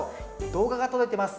動画が届いてます。